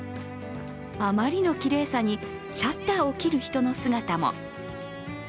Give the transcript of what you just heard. あまりのきれいさにシャッターを切る人の姿も。